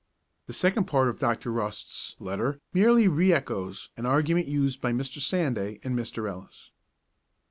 The second part of Dr. Rost's letter merely re echoes an argument used by Mr. Sanday and Mr. Ellis.